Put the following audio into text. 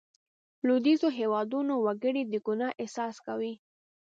لوېدیځو هېوادونو وګړي د ګناه احساس کوي.